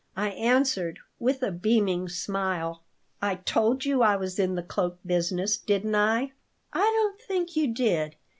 I answered, with a beaming smile, "I told you I was in the cloak business, didn't I?" "I don't think you did.